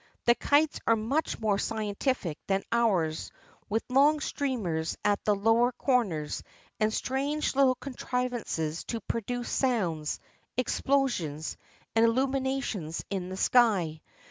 The kites are much more scientific than ours, with long streamers at the lower corners, and strange little contrivances to produce sounds, explosions, and illuminations in the sky.